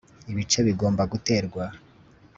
ibice bigomba guterwa